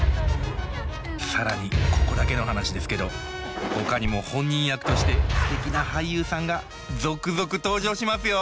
更にここだけの話ですけどほかにも本人役としてすてきな俳優さんが続々登場しますよ。